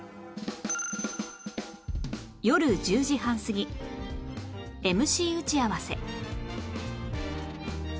夜１０時半過ぎ ＭＣ 打ち合わせ